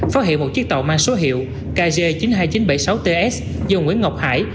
phát hiện một chiếc tàu mang số hiệu kg chín mươi hai nghìn chín trăm bảy mươi sáu ts do nguyễn ngọc hải